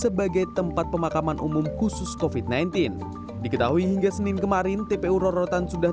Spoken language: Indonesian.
sebagai tempat pemakaman umum khusus kofit sembilan belas diketahui hingga senin kemarin tpu rorotan sudah